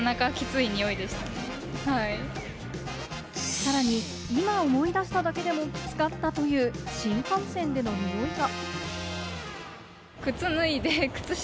さらに今思い出しただけでもキツかったという新幹線でのにおいが。